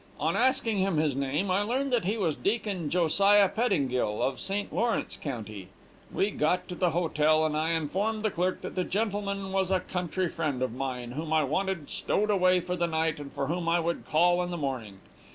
On asking him his name, I learned that he was Deacon Josiah Pettingill, of St. Lawrence county. We got to the hotel, and I informed the clerk that the gentleman was a country friend of mine, whom I wanted stowed away for the night, and for whom I would call in the morning.